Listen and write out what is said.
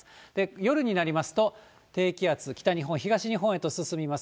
夜になりますと、低気圧、北日本、東日本へと進みます。